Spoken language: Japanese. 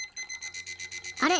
あれ？